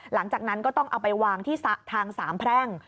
หลังจากนั้นก็ต้องเอาไปวางที่ทางสามแพร่ง